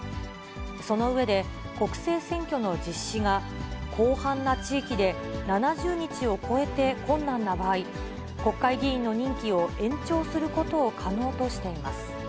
その上で、国政選挙の実施が、広範な地域で７０日を超えて困難な場合、国会議員の任期を延長することを可能としています。